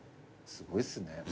すごいっすね。